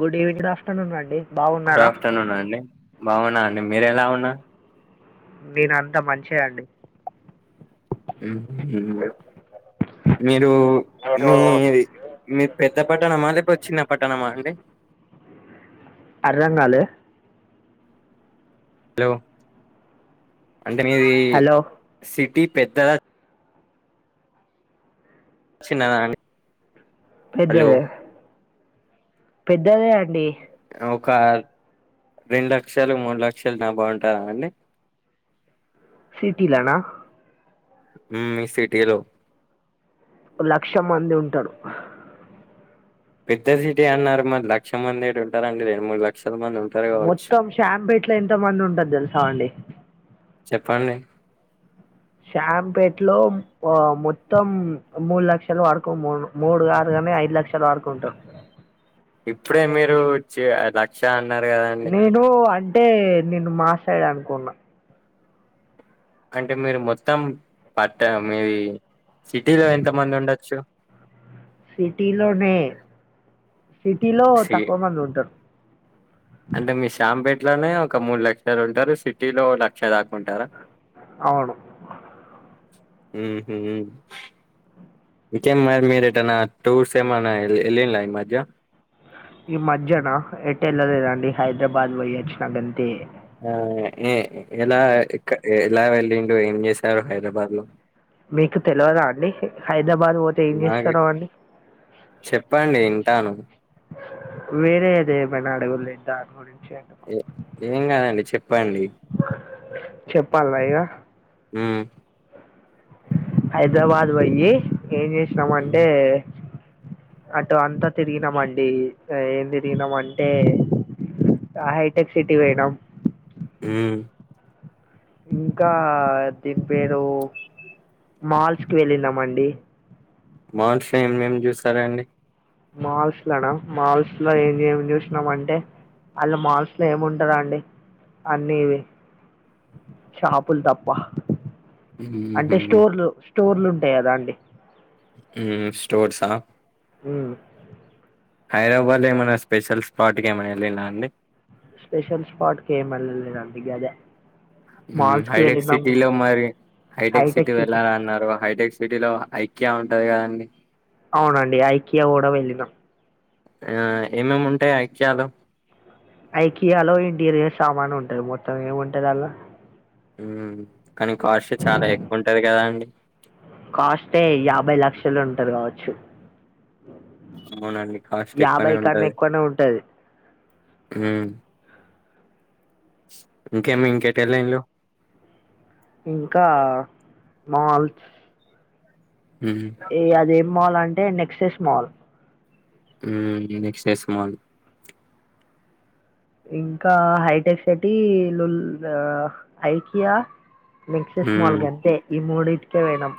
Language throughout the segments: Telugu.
గుడ్ ఈవింగ్డ్ ఆఫ్ర్నూన్ అం గుడ్ ఆఫ్టర్నూన్ అండి బాగున్నా అండి మీరు ఎలా ఉవున్నార్ నేను అంతా మంచేఅండి మ్ హు మీరు మీరు మీది మీ పె ద్ద పట్టణమా లేపోతే చిన్నపట్టణమా అండి అర్థంగాలే హలో అంటే మీది హలో సిటీ పెద్దద చిన్నద అండి హలో పెద్దదే పెద్దదే అండి ఒక రెండు లక్షలు మూడు లక్షలు నాబ ఉంటద అండి సిటీలానా మీ సిటీలో లక్ష మంది ఉంటాడు పెద్ద సిటీ అన్నారు మరి లక్ష మంది ఏడు ఉంటారండి రెండు మూడు లక్ష మొత్తం షాంపేట్ ల ఎంత మంది ఉంటరు తెలుస అండి చెప్పండి శాంపేట్ లో మొత్తం మూడు లక్షల వరకు మూ మూడు గద్ కని ఐదు లక్షల వరకు ఉంటరు ఇప్పుడే మీరు చ్ లక్ష అన్నారు కదండి నేను అంటే నిను మా సైడ్ అనుకున్నా అంటే మీరు మొత్తం పట్ట మీది సిటీలో ఎంత మంది ఉండొచ్చు సిటీలోనే సిటీలో సి తక్కువ మంది ఉంటారు అంటే మీ శాంపేటలోనే ఒక మూడు లక్షలు ఉంటారు సిటీలో లక్ష దాకా ఉంటారా అవును మ్ హు ఇంకేం మరి మీరేటన్న టూర్స్ ఏమన్న ఎళ్ళిల్ల ఈ మధ్య ఈ మధ్యన ఎటెళ్ళలేదండి హైదరాబాద్ పోయ్యోచ్చిన గంతే ఆ ఎ ఎలా ఎక్ ఎలా వెల్లిండు ఏం చేశారు హైదరాబాద్ లో మీకు తెలియదా అండి హై హైదరాబాద్ పోతే ఏం నాకు చేస్తడు అవ్వన్ని చెప్పండి వింటాను వేరే ఏదేమైన అడుగుల్లి దాన్ గురించి అండి, ఏ ఏం కాదండి చెప్పండి చెప్పల్ల ఇగా ఉ హైదరాబాద్ పోయ్యి ఏం చేసినామంటే అటు అంతా తిరిగినమండి ఏం తిరిగినాం అంటే హైటెక్ సిటీ పోయనం ఊ ఇంకా దీని పేరు మాల్స్ కి వెళ్ళినామండి మాల్స్ లో ఏం ఏం చూసారండి మాల్స్ లోనా మాల్స్ లో ఏం ఏమి చూసినాం అంటే అళ్ళ మాల్స్ లో ఏముంటాదండి అన్ని ఇవి షాపుల్ తప్పా అంటే ఉహు స్టోర్లు స్టోర్లు ఉంటాయి కదా అండి ఉ స్టోర్సా ఉ హైదరాబాద్ లో ఏమైన్నా స్పెషల్ స్పాట్కి ఏమైనా వెళ్ళినా అండి స్పెషల్ స్పాట్ కి ఎం ఎళ్లలేదండి హైటెక్ సిటీలో మరి హైటెక్ సిటీ వెళ్ళానాన్నారు హైటెక్ సిటిలో ఐక్య ఉంటది కదండి అవునండి ఐకియా కూడా వెళ్ళినాం ఆ ఏమేమి ఉంటాయి ఐక్యాలో ఐకియాలో ఇంటీరియర్ సామాన్ ఉంటది మొత్తం ఏముంటది అల్లా కానీ కాస్ట్ చాలా ఎక్కువ ఉంటది కదా అండి కాస్టే యాభై లక్షలు ఉంటది కావచ్చు అవునండి కాస్ట్ ఎక్కువనే యాభై కన్నా ఉంటది ఎక్కువనే ఉంటుంది ఊ ఇంకేమి ఇంకేటెలిల్లు ఇంకా మాల్స్ హ్మ్. ఏ అదేం మాల్ అంటే నెక్సేస్ మాల్ ఊ నెక్సెస్ మాల్ ఇంకా హైటెక్ సిటీ లుల్ ఆ ఐకియా నెక్సెస్ మాల్ హ్మ్. గంతే ఈ మూడిటికే పోయినం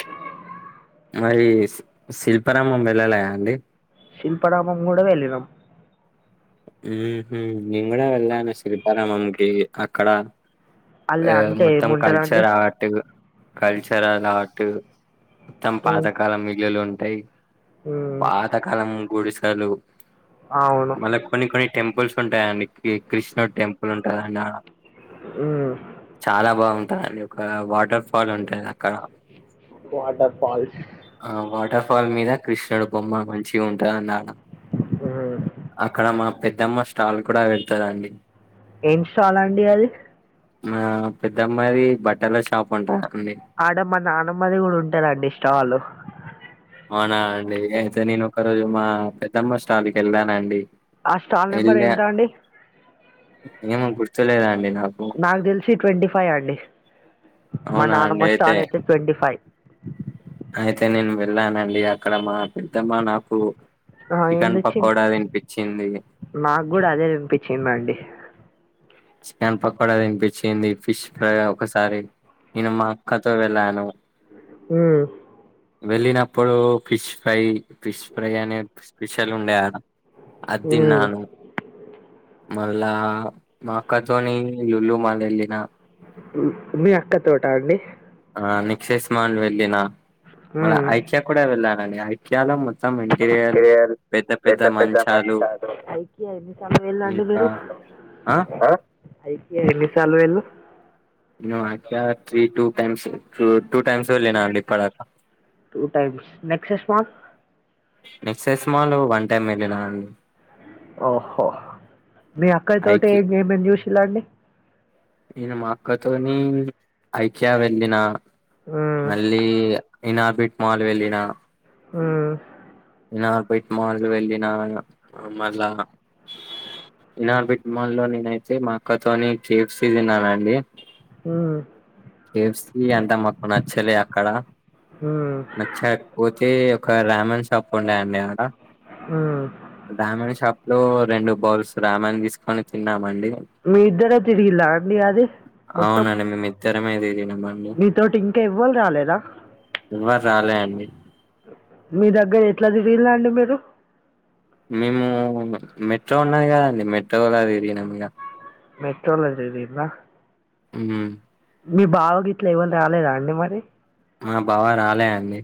మరి శి శిల్పారామం వెళ్ళలే అండి శిల్పరామం కూడా వెళ్ళినం ఉహు నెన్ గుడ వెళ్ళాను శిల్పారామంకి అక్కడ అల్ల ఏ అంటే మొత్తం ఏముంటది అండి కల్చర్ ఆట్ కల్చరల్ ఆర్ట్ మొత్తం ఉమ్, పాతకాల మిల్లులు ఉంటాయి ఉమ్, పాతకాలం గుడిసలు అవును మళ్ళ కొన్ని కొని టెంపుల్స్ ఉంటాయండి కృష్ణ టెంపుల్ ఉంటాదండి ఆడ ఉమ్, చాలా బాగుంటదండి ఒక వాటర్ ఫాల్ ఉంటాది అక్కడ వాటర్ ఫాల్స్ ఆ వాటర్ ల్ మీద కృష్ణుడు బొమ్మ మంచి ఉంటందని ఆడ ఉమ్, అక్కడ మా పెద్దమ్మ స్టాల్ కూడా వెడతదండి ఏం స్టాల అండి అది మా పెద్దమ్మాది బట్టల షాప్ ఉంటారు ఆడమ్మ నానమ్మది కూడా ఉంటారండి స్టాల్ అవునా అండి అయితే నేను ఒక రోజు మా పెద్దమ్మ స్టాల్ క వెళ్దాన అండి ఆ స్టాల్ నెంబర్ ఎంత అండి ఏమో గుర్తులేదు అండి నాకు తెలిసి ట్వంటీ ఫైవ్ అండి మా అవునా అండి నాన్నమ్మ అయితే స్టాల అతే ట్వెంటి ఫైవ్ అయితే నేను వెళ్ళానండి అక్కడ మా పెద్దమ్మా నాకు ఆ చికెన్ ఎందుచ్చింది పకోడా తినిపించింది నాకు కూడా అదే చూపించింది అండీ చికెన్ పకోడా తినిపించింది ఫిష్ ఫ్రై ఒకసారి నేను మా అక్కతో వెళ్ళాను ఉ వెళ్ళినప్పుడు ఫిష్ ఫ్రై ఫిష్ ఫ్రై అనేది స్పెషల్ ఉండే ఆడా అది ఉమ్, తిన్నాను మళ్ళ మాక్కతోని లుల్లు మాల వెళ్ళనా మీ అక్క తోట అండి నెక్సీసెస్ మాల్ వెళ్ళిన మల్ల ఉమ్. ఐక్య కూడా వెళ్ళానండి ఐక్యలో మొత్తం ఇంటీరియర్ చేయాలి పెద్ద పెద్ద మంచాలు ఆ ఐక్య ఇంకా ఆ ఎన్ని సార్లు పోయిరు IKEA three two times two times వెళ్లిన అండీ ఎప్పడిదాకా నెక్సస్ మాల్ నెక్స్ట్ సెస్మాలు వన్ టైమ్ వెళ్ళినా అండి ఓహో మీ అక్కయితోటి ఐకి ఏమేమి చూసిలా అండి నేను మా అక్కతోని ఐక్యా వెళ్ళిన మళ్ళీ ఇనార్బిక్ మాల్ వెళ్ళిన ఉ బట్ మాల్ వెళ్ళిన మళ్ళా ఇనార్బిక్ మాల్ నేనైతే మా అక్కతోని కే ఫ్ సి తిన్నానండి ఆ కే ఫ్ సి అంతా మాకు నచ్చలే అక్కడ నచ్చకపోతే ఒక రమణ్ షాప్ ఉండయండి అక్కడ రమణ్ షాప్ లో రెండు బౌల్స్ రామాణ్ తీసుకొని తిన్నామండి మీ ఇద్దరే తిరిగిలా అండి అది మొత్తం అవునండి మేము ఇద్దరమే తిరిగినం మీతోటి ఇంకా ఇవ్వాల రాలేదా ఎవరు రాలే అండి మీ దగ్గర ఎట్లా తిరిగిలండి మీరు మేము మెట్రో ఉన్నా కదండి మెట్రోలా తెరిగినం ఇక మెట్రో లో తిరిగిండ్రా ఉ మీ బావ గిట్ల ఎవలు రాలేదా అండి మరి మా బావా రాలేండి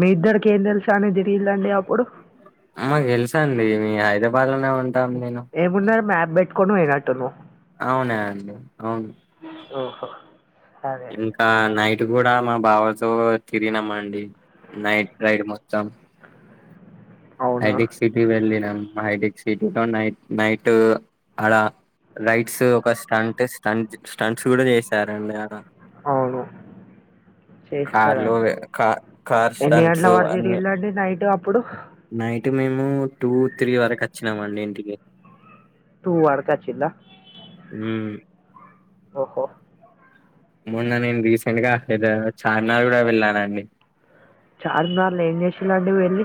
మీ ఇద్దరికి ఏం తెలుసా అని తిరిగిలేండి అప్పుడు మాక్ తెల్సండి మీ హైదరాబాద్లోనే ఉంటాం నేను ఏమున్నది మ్యాప్ పెట్టుకొని పోయినట్టున్నావ్ అవునా అండి అవును. ఓహ ఇంకా నై ట్ కూడా మా బావతో తిరిగినమండి నైట్ రైడ్ మొత్తం అవునా హైటెక్ సిటీ వెళ్ళినం హైటెక్ సిటీలో నైట్ నైట్ ఆడ రైడ్స్ ఒక స్టంట్ స్టంట్ స్టంట్స్ కూడా చేసారండి ఆడ అవును చేస్తారండి కార్లువే క కార్ ఎన్ని గంటల స్టంట్స్ వరకు అన్నీ తిరిగిలండి నైట్ అప్పుడు నైట్ మేము టూ త్రీ వరకచ్చినమండి ఇంటికి టూ వరక్ అచ్చిన్ల హ్మ్ ఓహో మొన్న నేన్ రీసెంట్గ ఏదో చార్మినార్ గుడా వెళ్ళానండి. చార్మినార్ల ఏం చేసింన్లండి వెళ్ళి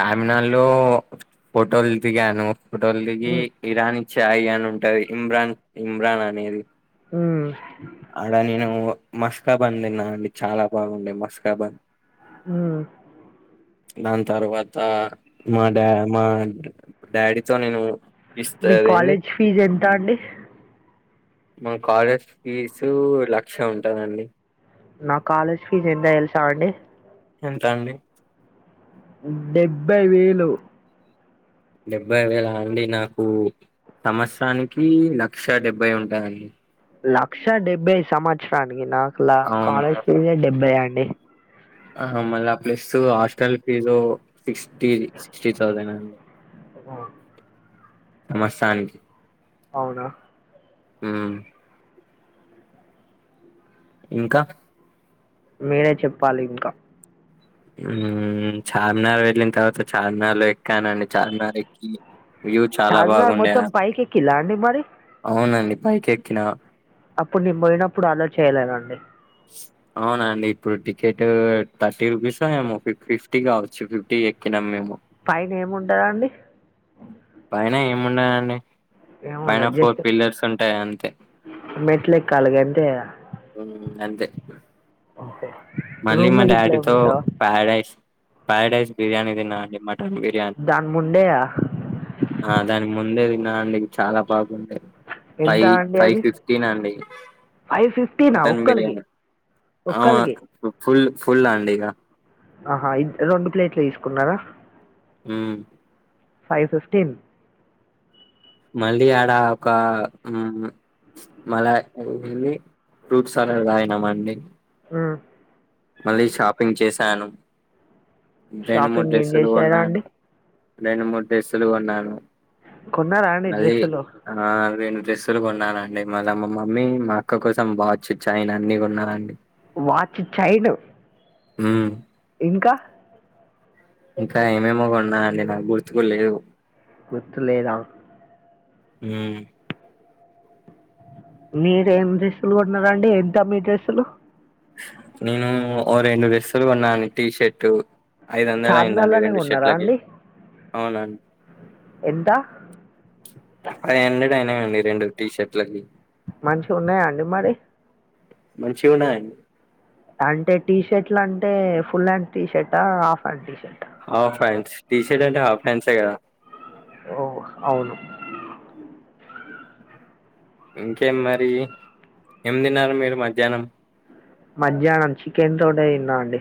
చార్మినార్లో ఫోటోల్ దిగాను ఫోటోల్ దిగి ఉమ్, ఇరాని చాయ్ అని ఉంటది. ఇమ్రాన్ ఇమ్రాన్ అనేది హ్మ్ ఆడ నేను మస్కాబన్ తిన్నానండి చాలా బాగుండే మస్కాబన్ హ్ దాన్ తర్వాతా మా డా మా డాడీతో నేను ఇస్త మీ అదేంది కాలేజ్ ఫీజ్ ఎంత అంది మా కాలేజ్ ఫీజ్ లక్ష ఉంటదండి. నా కాలేజ్ ఫీజ్ ఎంత తెల్సాఅండి ఎంత అండి డెబ్బై వేలు డెబ్బై వేలా అండి నాకు సంవత్సరానికి లక్ష డెబ్బై ఉంటదండి. లక్ష డెబ్బై సంవత్సరానికి నాకు లా అవును కాలేజ్ ఫీజే డెబ్బై అండి. ఆ మళ్ళ plus hostel fees sixty sixty thousand అండి. ఆ సంవత్సరానికి అవునా మ్ ఇంకా మీరే చెప్పాలింక మ్ చార్మినార్ వెళ్ళిన్ తర్వాత చార్మినార్లో ఎక్కానండి చార్మినార్ ఎక్కీ వ్యూ చాలా చార్మినార్ బాగుండెన మొత్తం పైకి ఎక్కిల్లా అండి మరి అవునండి పైకెక్కిన అప్పుడ్ నేన్ పోయినప్పుడ్ అల్లో చేయలేదండి. అవునండి ఇప్పుడు టికెట్ థర్టీ రూపీసో ఏమో ఫిఫ్ ఫిఫ్టీ కావచ్చు ఫిఫ్టీ ఎక్కినం మేము పైన ఏం ఉంటదండి? పైన ఏం ముండదండి. పైన ఏముండదు ఫోర్ జస్ట్ పిల్లర్స్ ఉంటయి అంతే మెట్లు ఎక్కాలి అంతే మ్ గంతే రూమ్లు గిట్ల ఏం ఉండవ ప్యారడైజ్ బిర్యానీ తిన్న అండి మటన్ బిర్యానీ దాని ముందే దాని ముందే తిన్న అండి చాలా బాగా ఎంత ఫైవ్ అండి ఫైవ్ అది ఫిఫ్టీన్ అండి మటన్ బిర్యానీ ఒక్కల్కి అవును ఫుల్ ఫుల్ అండిగా ఆహా ఇ రెండు ప్లేట్లు తీసుకున్నారా ఊ ఫైవ్ ఫిఫ్టీన్ మళ్ళీ ఆడ ఒక ఉమ్ మళ్ళ వెళ్ళి ఫ్రూట్ సలాడ్ తాగినామ్ అండి ఉ మళ్ళీ షాపింగ్ చేసాను రెండు మూడు షాపింగ్ ఏం డ్రెస్సులు చేశారా కొన్నాను అండి రెండు మూడు డ్రెస్సులు కొన్నాను కొన్నారా అండి మళ్ళీ డ్రెస్సులు ఆ రెన్ డ్రెస్సులు కొన్నానండి మళ్ళీ మా మమ్మీ మా అక్క కోసం వాచ్ చైన్ అన్ని కొన్నారండి వాచ్ చైను ఊ ఇంకా ఇంకా ఏమేమో కొన్నా అండి నాకు గుర్తుకు కూడ లేవు గుర్తులేదా ఊ మీరెం డ్రెస్సులు కొన్నారండి ఎంత మీ డ్రెస్సులు నేను ఓ రెండు డ్రెస్సులు కొన్నాను టీ షర్ట్ ఐదు వందలయిందండి చార్మినార్లోనే రెండు కొన్నారా షట్లకి అండి అవునండి ఎంత ఫైవ్ హండ్రెడ్ అయినాయండి రెండు టీ షర్ట్ లకి మంచిగా ఉన్నాయా అండి మరి మంచిగున్నాయ్ అండి అంటే టీ షర్ట్లు అంటే full hand tea షర్ట half hand T shirt half hands T shirt అంటే హాఫ్ హ్యాండ్సే కదా ఓ అవును ఇంకేం మరి ఏం తిన్నారు మీరు మధ్యానం మధ్యానం చికెన్ తోటె తిన్న అండి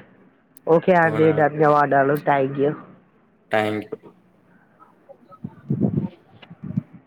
ఓకే అండి ధన్యవాదాలు థ్యాంక్ యూ థ్యాంక్ యూ